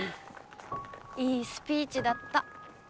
いいスピーチだった。